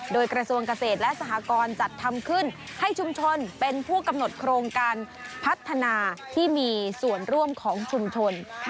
โดยกระทรวงเกษตรและสหกรจัดทำขึ้นให้ชุมชนเป็นผู้กำหนดโครงการพัฒนาที่มีส่วนร่วมของชุมชน